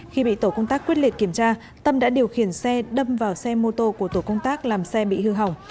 khi bị tổ công tác quyết liệt kiểm tra tâm đã điều khiển xe đâm vào xe mô tô của tổ công tác làm xe bị hư hỏng